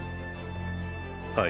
はい。